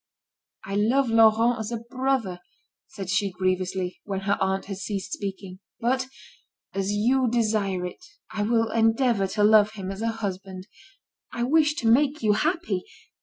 "I love Laurent as a brother," said she grievously, when her aunt had ceased speaking. "But, as you desire it, I will endeavour to love him as a husband. I wish to make you happy.